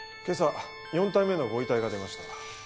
今朝４体目のご遺体が出ました。